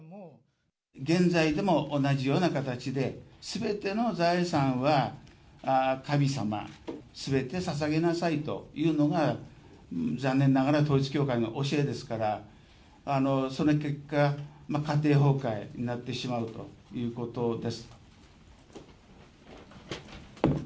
現在でも同じような形で、すべての財産は神様、すべてささげなさいというのが、残念ながら統一教会の教えですから、その結果、家庭崩壊になってしまうということです。